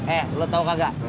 eh lo tau kagak